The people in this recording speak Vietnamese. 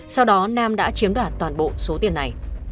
sau đó nam đã chiếm đoạt toàn bộ số tiền này